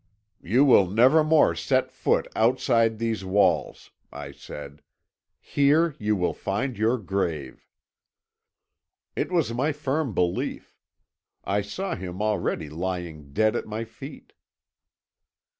"'You will nevermore set foot outside these walls,' I said; 'here you will find your grave.' "It was my firm belief. I saw him already lying dead at my feet.